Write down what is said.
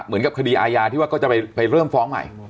เหมือนกับคดีอาญาที่ว่าก็จะไปเริ่มฟ้องใหม่